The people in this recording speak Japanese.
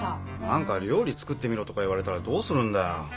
何か料理作ってみろとか言われたらどうするんだよ。